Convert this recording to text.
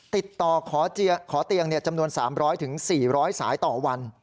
ติดต่อขอเตียงจำนวน๓๐๐๔๐๐สายต่อวัน